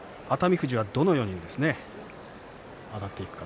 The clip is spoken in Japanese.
富士はどのようにあたっていくか。